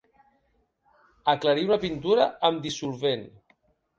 Aclarir una pintura amb dissolvent.